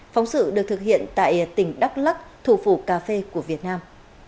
phóng sự được thực hiện tại tỉnh đắk lắc thủ phủ cà phê của việt nam